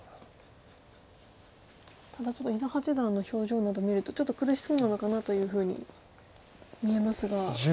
ただちょっと伊田八段の表情など見るとちょっと苦しそうなのかなというふうに見えますが。